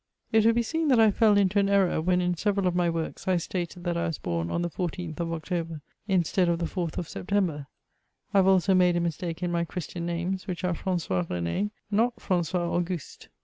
It will be seen that I fell into an error^ when in several of my works, I stated that I was bom on the 14th of October, in3tead of the 4th of September : I have also made a mistake in my Christian names, which are Fran9ois Rene, not Fran9ois Auguste.